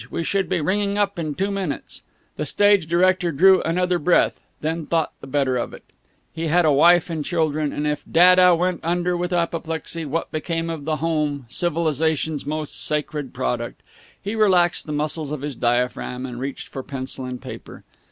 We should be ringing up in two minutes." The stage director drew another breath, then thought better of it. He had a wife and children, and, if dadda went under with apoplexy, what became of the home, civilization's most sacred product? He relaxed the muscles of his diaphragm, and reached for pencil and paper.